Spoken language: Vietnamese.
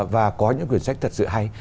và có những quyển sách thật sự hay